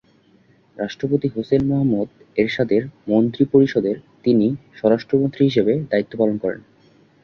রাষ্ট্রপতি হোসেন মোহাম্মদ এরশাদের মন্ত্রিপরিষদের তিনি স্বরাষ্ট্রমন্ত্রী হিসাবে দায়িত্ব পালন করেন।